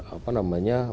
apa namanya berkoordinasi